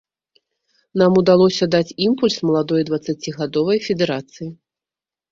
Нам удалося даць імпульс маладой дваццацігадовай федэрацыі.